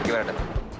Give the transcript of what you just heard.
terima kasih pak